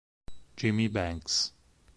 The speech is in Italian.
Jimmy Banks